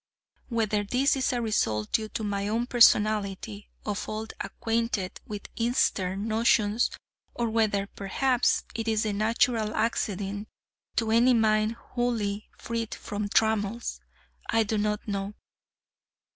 Whether this is a result due to my own personality, of old acquainted with Eastern notions, or whether, perhaps, it is the natural accident to any mind wholly freed from trammels, I do not know.